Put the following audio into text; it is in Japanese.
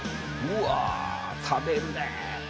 うわたべるね。